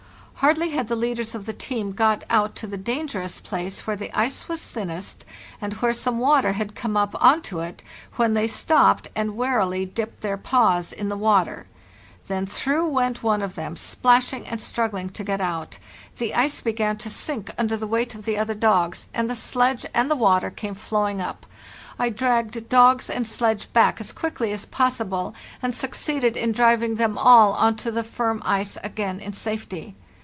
Hardly had the leaders of the team got out to the dangerous place where the ice was thinnest, and where some water had come up on to it, when they stopped and warily dipped their paws in the water. Then through went one of them, splashing and struggling to get out. The ice began to sink under 172 PARTHE SL INO the weight of the other dogs and the sledge, and the water came flowing up. I dragged dogs and sledge back as quickly as possible, and succeeded in driving them all on to the firm ice again in safety.